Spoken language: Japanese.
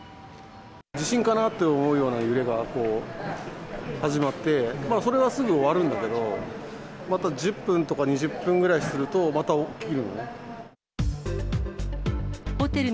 地震かなと思うような揺れが始まって、それはすぐ終わるんだけども、また１０分とか２０分ぐらいすると、また起きる。